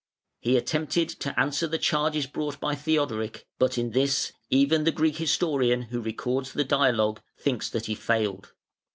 He attempted to answer the charges brought by Theodoric, but in this even the Greek historian who records the dialogue thinks that he failed.